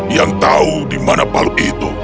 yang tahu di mana palu itu